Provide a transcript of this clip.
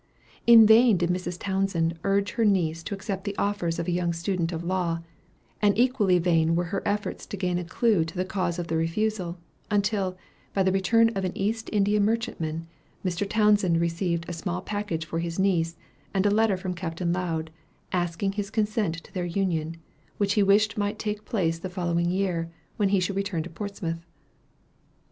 In vain did Mrs. Townsend urge her niece to accept the offers of a young student of law; and equally vain were her efforts to gain a clue to the cause of the refusal, until, by the return of an East India Merchantman, Mr. Townsend received a small package for his niece, and a letter from Captain Lowd, asking his consent to their union, which he wished might take place the following year, when he should return to Portsmouth.